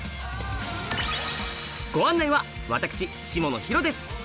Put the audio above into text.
ご案内は私下野紘です！